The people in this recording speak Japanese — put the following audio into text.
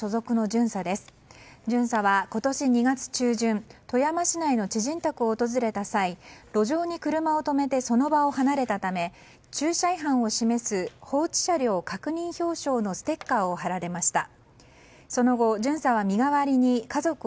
巡査は今年２月中旬、富山市内の知人宅を訪れた際路上に車を止めてその場を離れたため駐車違反を示す放置車両確認表彰のステッカーを張られました。